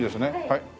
はい。